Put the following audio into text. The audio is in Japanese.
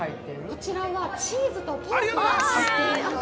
◆こちらは、チーズとポークが入っています。